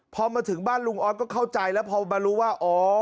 พอมาถึงบ้านลุงออสก็เข้าใจแล้วพอมารู้ว่าอ๋อ